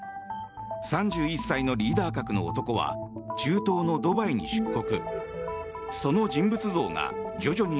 ３１歳のリーダー格の男は中東のドバイに出国。